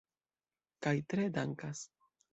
Kaj tre dankas.